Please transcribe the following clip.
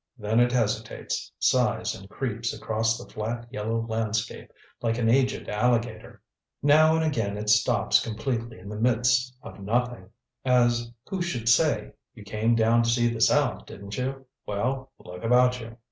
Then it hesitates, sighs and creeps across the fiat yellow landscape like an aged alligator. Now and again it stops completely in the midst of nothing, as who should say: "You came down to see the South, didn't you? Well, look about you."